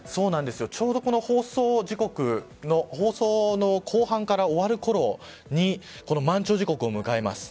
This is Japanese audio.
ちょうど放送時刻の後半から終わるころに満潮時刻を迎えます。